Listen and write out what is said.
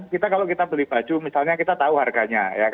kalau kita beli baju misalnya kita tahu harganya